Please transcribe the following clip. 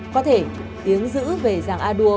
có thể tiếng giữ về giàng a đua